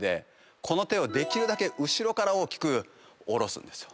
この手をできるだけ後ろから大きく下ろすんですよ。